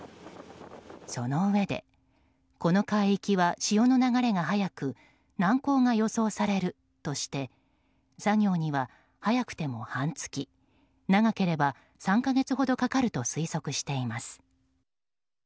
そのうえでこの海域は潮の流れが速く難航が予想されるとして作業には早くても半月長ければ３か月ほどかかると推測しています。